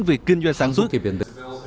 việc kinh doanh sản xuất